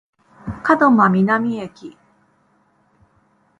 門真南駅